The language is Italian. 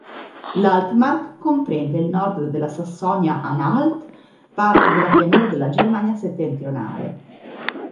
L'Altmark comprende il nord della Sassonia-Anhalt, parte della pianura della Germania settentrionale.